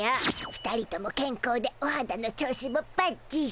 ２人ともけんこうでおはだの調子もばっちし。